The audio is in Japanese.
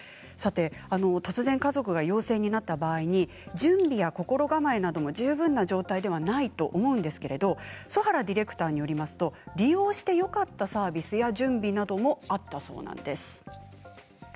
突然、家族が陽性になった場合に準備や心構えなども十分な状態ではないと思うんですけれど曽原ディレクターによりますと利用してよかったサービスや準備などもあったそうです。